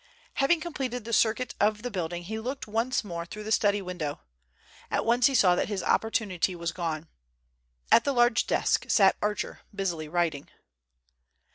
Having completed the circuit of the building, he looked once more through the study window. At once he saw that his opportunity was gone. At the large desk sat Archer busily writing.